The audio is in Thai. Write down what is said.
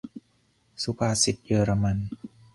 -สุภาษิตเยอรมัน